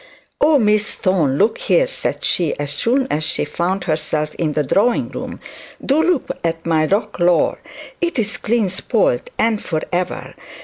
'Oh, Miss Thorne, look here!' said she, as soon as she found herself in the drawing room; 'do look at my roquelaure! It's clean spoilt, and for ever.